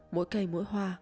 mỗi cây mỗi hoa